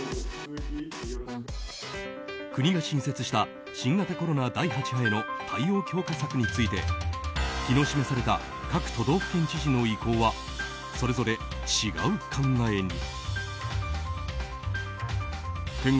国が新設した新型コロナ第８波への対応強化策について昨日示された各都道府県知事の意向はそれぞれ違う考えに。